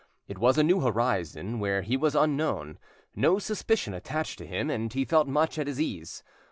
It was a new horizon, where he was unknown; no suspicion attached to him, and he felt much at his ease.